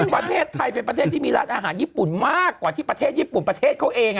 ประเทศไทยเป็นประเทศที่มีร้านอาหารญี่ปุ่นมากกว่าที่ประเทศญี่ปุ่นประเทศเขาเอง